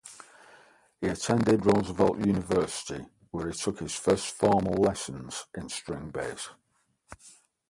He attended Roosevelt University where he took his first formal lessons in string bass.